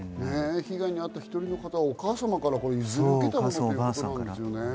被害に遭った１人の方は、お母様から譲り受けたものということですね。